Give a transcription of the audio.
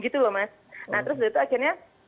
gitu loh mas nah terus dari itu akhirnya